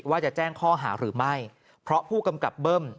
ว่าจะแจ้งข้อหาหรือไม่เพราะผู้กำกับเบิ้ม